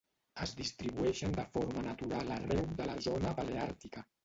Es distribueixen de forma natural arreu de la zona paleàrtica: